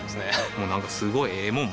もうなんかすごいええもん